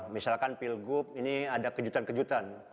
misalkan pilgub ini ada kejutan kejutan